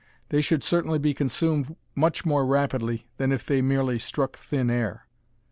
They should certainly be consumed much more rapidly than if they merely struck thin air.